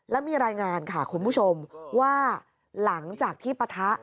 แล้วมีรายงานค่ะคุณผู้ชมว่าหลังจากที่ปะทะ